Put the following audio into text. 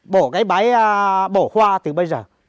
bộ cái bái bổ hoa từ bây giờ